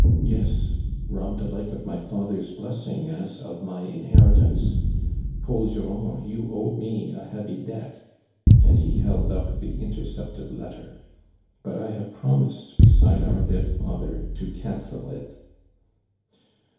"Yes, robbed alike of my father's bles sing as of my inheriUvnce. Paid Durand, you owe me a heavy debt," and he held up the intercepted lett< r, "but 1 have pro mised beside our dead father to cancel it